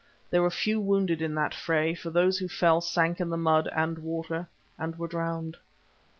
There were few wounded in that fray, for those who fell sank in the mud and water and were drowned.